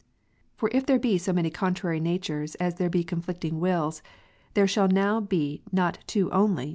23. For if there be so many contrary natures, as there be conflicting wills; there shall now be not two only, but many.